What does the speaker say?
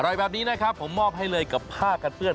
แบบนี้นะครับผมมอบให้เลยกับผ้ากันเปื้อน